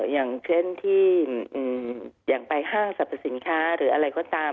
อย่างเช่นไปห้างสรรพสินค้าอะไรก็ตาม